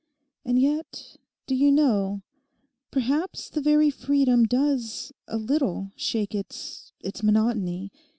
And yet, do you know, perhaps the very freedom does a little shake its—its monotony.